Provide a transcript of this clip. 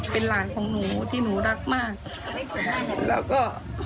เป็นหลานของหนูที่หนูรักมากแล้วก็